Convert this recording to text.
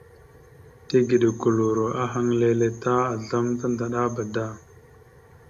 Tigəɗokoloro ahaŋ leele ta azlam tandaɗaba da.